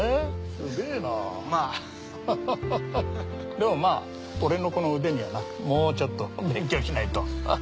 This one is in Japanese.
でもまあ俺のこの腕にはなもうちょっと勉強しないと。